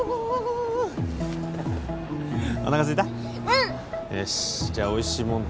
うんよしじゃあおいしいもの